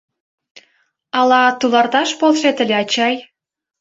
Ала туларташ полшет ыле, ачай?